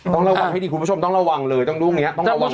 ต้องระวังให้ดีคุณผู้ชมต้องระวังเลยต้องรุ่งนี้ต้องระวัง